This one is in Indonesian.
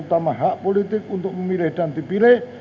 sds tidak memiliki hak politik untuk memilih dan dipilih